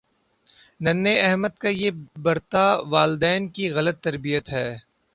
ننھے احمد کا یہ برتا والدین کی غلط تربیت ہے